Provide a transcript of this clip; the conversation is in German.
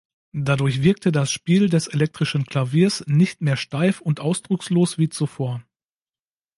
Dadurch wirkte das Spiel des elektrischen Klaviers nicht mehr steif und ausdruckslos wie zuvor.